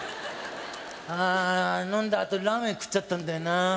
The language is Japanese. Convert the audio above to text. あ飲んだあとラーメン食っちゃったんだよなあ。